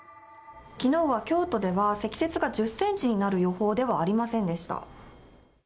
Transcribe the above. きのうは京都では、積雪が１０センチになる予報ではありませんでした。